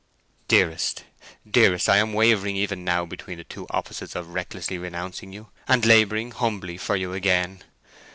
"Dearest, dearest, I am wavering even now between the two opposites of recklessly renouncing you, and labouring humbly for you again.